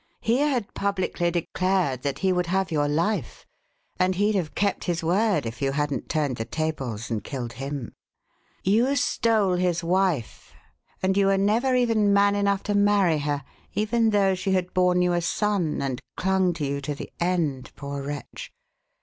He had publicly declared that he would have your life, and he'd have kept his word if you hadn't turned the tables and killed him. You stole his wife, and you were never even man enough to marry her even though she had borne you a son and clung to you to the end, poor wretch!